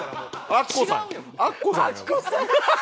アッコさん。